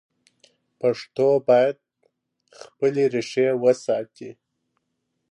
پښتو باید خپلې ریښې وساتي.